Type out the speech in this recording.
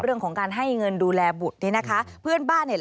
เรื่องของการให้เงินดูแลบุตรเนี่ยนะคะเพื่อนบ้านเนี่ย